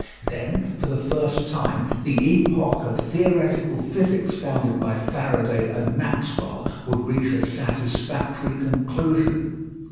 Then for the first time the epoch of theoretical physics founded by Faraday and Maxwell would reach a satisfactory conclusion.